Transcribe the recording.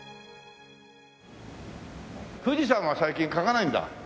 富士山は最近描かないんだ。